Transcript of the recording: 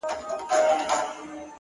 o چي واکداران مو د سرونو په زاريو نه سي،